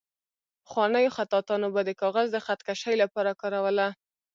پخوانیو خطاطانو به د کاغذ د خط کشۍ لپاره کاروله.